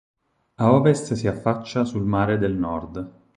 A ovest si affaccia sul Mare del Nord.